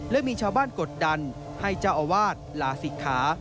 และมีชาวบ้านกดดันให้เจ้าอาวาสลาศิกขา